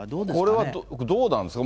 これはどうなんですか？